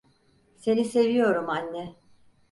Seni seviyorum anne.